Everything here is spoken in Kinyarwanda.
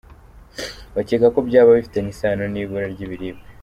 Bakeka ko byaba bifitanye isano n’ibura ry’ibiribwa.